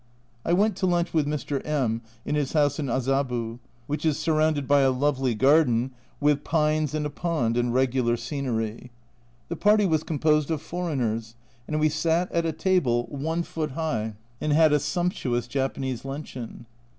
I went to lunch with Mr. Mj in his house in Azabu, which is surrounded by a lovely garden, with pines and a pond and regular scenery. The party was composed of foreigners, and we sat at a table i foot 1 Betto, name for native groom. IO2 A Journal from Japan high, and had a sumptuous Japanese luncheon.